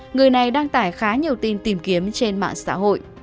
người này đăng tải khá nhiều tin tìm kiếm trên mạng xã hội